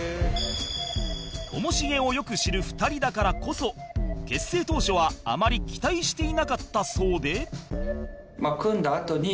ともしげをよく知る２人だからこそ結成当初はあまり期待していなかったそうで